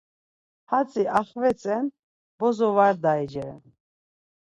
Hatzi axvetzen, bozo var da-iceren.